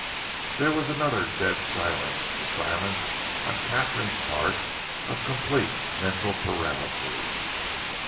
'" There was another dead silence, a silence, on Katharine's part, of complete mental paralysis.